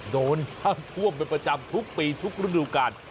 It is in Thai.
โดนห้ามท่วมเป็นประจำทุกปีทุกรุ่นดูการ